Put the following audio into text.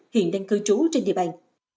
hiện đang cư trú trên địa bàn